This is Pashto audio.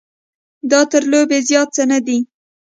دا تر لوبې زیات څه نه دی.